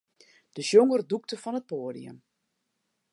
De sjonger dûkte fan it poadium.